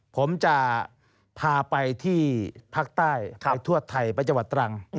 ผมจะพาไปที่ภาคใต้ไปทั่วไทยไปจังหวัดตรัง